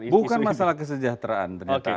bukan masalah kesejahteraan ternyata